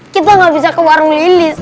kita nggak bisa ke warung lilis